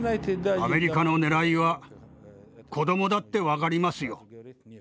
アメリカのねらいは子供だって分かりますよ。